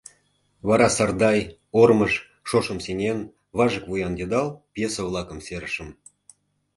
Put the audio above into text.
Вара «Сардай», «Ормыж», «Шошым сеҥен», «Важык вуян йыдал» пьесе-влакым серышым.